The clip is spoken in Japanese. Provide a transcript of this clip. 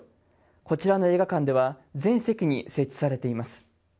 こちらの映画館では全席に設置されています。